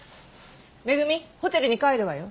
恵ホテルに帰るわよ。